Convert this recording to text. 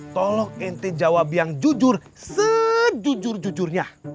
tolong inti jawab yang jujur sejujur jujurnya